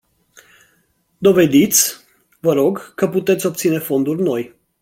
Dovediți, vă rog, că puteți obține fonduri noi.